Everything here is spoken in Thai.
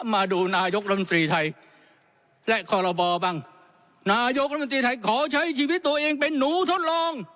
มาดูนายกรัฐมนตรีไทยและคอรบบ้างนายกรัฐมนตรีไทยขอใช้ชีวิตตัวเองเป็นหนูทดลอง